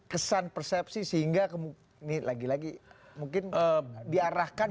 kesan persepsi sehingga ini lagi lagi mungkin diarahkan